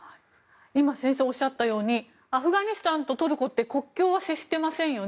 今、先生がおっしゃったようにアフガニスタンとトルコって国境は接していませんよね。